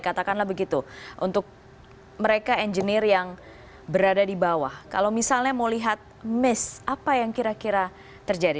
katakanlah begitu untuk mereka engineer yang berada di bawah kalau misalnya mau lihat miss apa yang kira kira terjadi